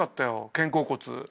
肩甲骨。